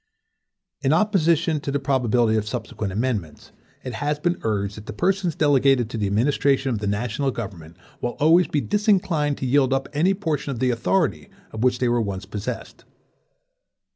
In opposition to the probability of subsequent amendments, it has been urged that the persons delegated to the administration of the national government will always be disinclined to yield up any portion of the authority of which they were once possessed.